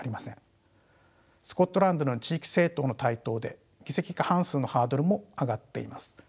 スコットランドでの地域政党の台頭で議席過半数のハードルも上がっています。